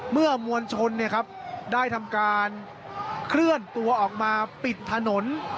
เมื่อมวลชนเนี่ยครับได้ทำการเคลื่อนตัวออกมาปิดถนน